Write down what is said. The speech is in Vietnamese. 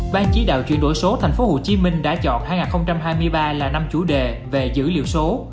ban chỉ đạo chuyển đổi số tp hcm đã chọn hai nghìn hai mươi ba là năm chủ đề về dữ liệu số